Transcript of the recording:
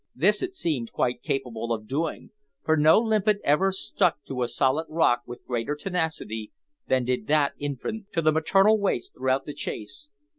This it seemed quite capable of doing, for no limpet ever stuck to a solid rock with greater tenacity than did that infant to the maternal waist throughout the chase.